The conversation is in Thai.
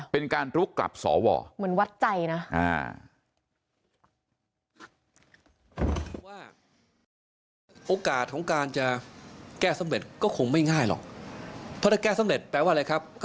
เป็นการลุกกลับสอวร